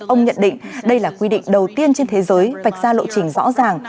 ông nhận định đây là quy định đầu tiên trên thế giới vạch ra lộ trình rõ ràng